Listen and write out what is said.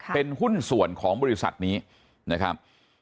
เป็นหุ้นส่วนของบริษัทนี้นะครับ